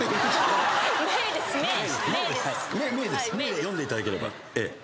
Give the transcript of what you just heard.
「メェー」で読んでいただければ。